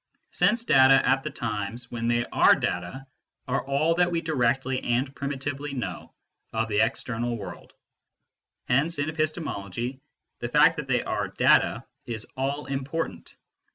Sense data at the times when they are data are all that we directly and primitively know of the external world ; hence in episte mology the fact that they are data is all important.